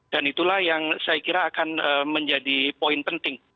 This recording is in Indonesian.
dan itulah yang saya kira akan menjadi poin penting